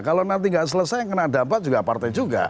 kalau nanti nggak selesai yang kena dampak juga partai juga